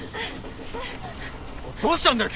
どうしたんだよ